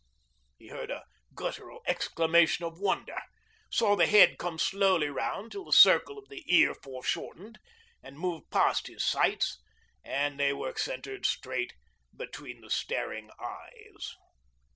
He heard a guttural exclamation of wonder, saw the head come slowly round until the circle of the ear foreshortened and moved past his sights, and they were centred straight between the staring eyes.